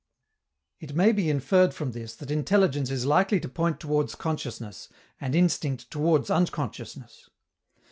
_ It may be inferred from this that intelligence is likely to point towards consciousness, and instinct towards unconsciousness.